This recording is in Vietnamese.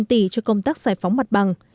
bốn tỷ cho công tác giải phóng mất bằng